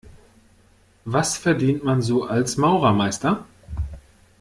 Was verdient man so als Maurermeister?